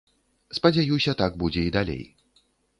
Спадзяюся, так будзе і далей.